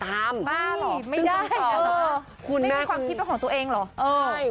บ้าหรอไม่ได้ไม่มีความคิดเป็นของตัวเองหรอ